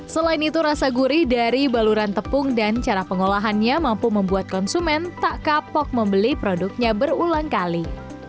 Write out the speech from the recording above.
selain itu rasa gurih dari baluran tepung dan cara pengolahannya mampu membuat konsumen tak kapok membeli produknya berulang kali